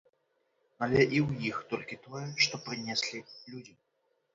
Але і ў іх толькі тое, што прынеслі людзі.